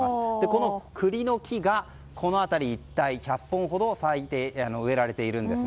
この栗の木がこの辺り一帯１００本ほど植えられているんです。